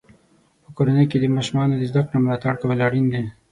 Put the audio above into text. په کورنۍ کې د ماشومانو د زده کړې ملاتړ کول اړین دی.